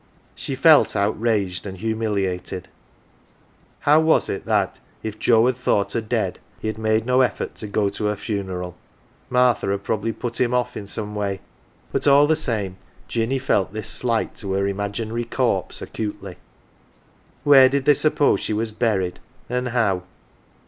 She felt outraged and humiliated. How was it that if Joe had thought her dead, he had made no effort to go to her funeral? Martha had probably "put him off'" in some way, but all the same Jinny felt this slight to her imaginary corpse acutely. Where did they suppose she was buried, and how